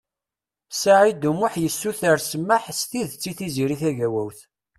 Saɛid U Muḥ yessuter smeḥ stidet i Tiziri Tagawawt.